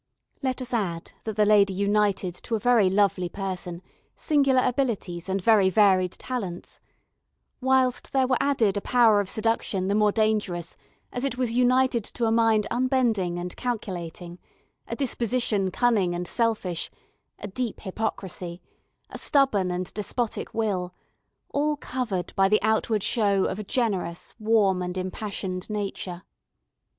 Let us add that the lady united to a very lovely person, singular abilities and very varied talents; whilst there were added a power of seduction the more dangerous as it was united to a mind unbending and calculating, a disposition cunning and selfish, a deep hypocrisy, a stubborn and despotic will, all covered by the outward show of a generous, warm, and impassioned nature.